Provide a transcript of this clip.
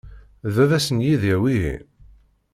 D baba-s n Yidir, wihin?